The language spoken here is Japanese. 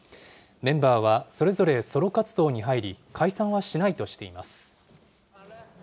メンバーはそれぞれソロ活動に入り、解散はしないとしています。